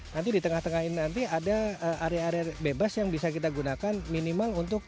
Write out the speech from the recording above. nanti di tengah tengah ini nanti ada area area bebas yang bisa kita gunakan minimal untuk